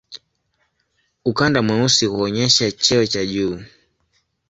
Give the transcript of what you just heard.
Ukanda mweusi huonyesha cheo cha juu.